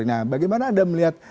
nah bagaimana anda melihat